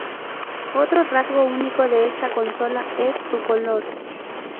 Otro rasgo único de esta consola es su color.